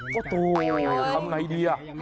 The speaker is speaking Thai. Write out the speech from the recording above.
ก็ตรงนั้นทำไงดี